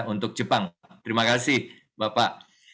untuk jepang terima kasih bapak